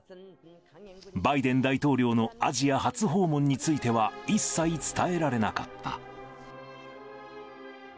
バイデン大統領のアジア初訪問については、一切伝えられなかった。